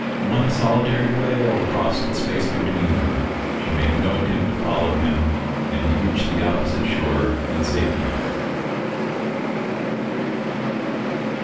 One solitary wail crossed the space between. She made no attempt to follow him, and he reached the opposite shore in safety.